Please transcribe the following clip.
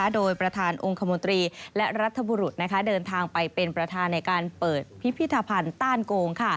โดยประธานองค์คมนตรีและรัฐบุรุษเดินทางไปเป็นประธานในการเปิดพิพิธภัณฑ์ต้านโกง